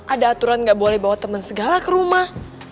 ada aturan gak boleh bawa temen segala ke rumah